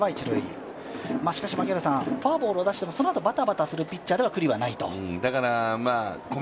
しかし、フォアボールを出してもそのあとバタバタするピッチャーでは九里はないと。